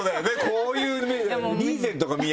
こういう。